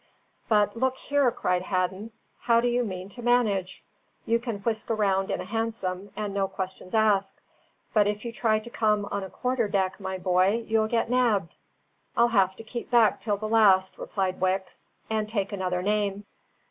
"But look here!" cried Hadden, "how do you mean to manage? You can whisk round in a hansom, and no questions asked. But if you try to come on a quarter deck, my boy, you'll get nabbed." "I'll have to keep back till the last," replied Wicks, "and take another name."